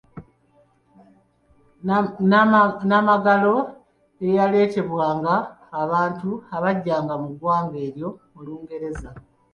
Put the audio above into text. Nnamagalo eyaleetebwanga abantu abajjanga mu ggwanga eryo mu lungereza.